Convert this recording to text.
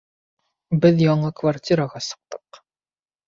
Беҙ яңы квартираға сыҡтыҡ